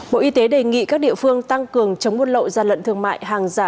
bộ y tế đề nghị các địa phương tăng cường chống buôn lậu gian lận thương mại hàng giả